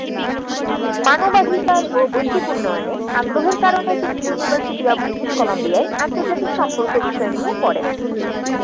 মানবাধিকার ও বৈশ্বিক উন্নয়নে আগ্রহের কারণে তিনি ইউনিভার্সিটি অব ব্রিটিশ কলাম্বিয়ায় আন্তর্জাতিক সম্পর্ক বিষয় নিয়ে পড়েন।